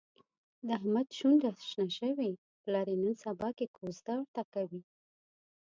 د احمد شونډه شنه شوې، پلار یې نن سباکې کوزده ورته کوي.